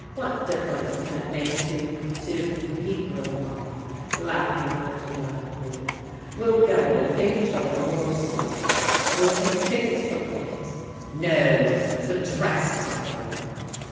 What difference can it make to to " He broke off, laughing a little wildly. "We'll go and give each other moral support. We'll take tickets for the pit no, the dress circle!"